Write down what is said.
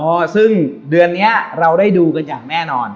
ซึ่งเดือนนี้เราได้ดูกันอย่างแน่นอน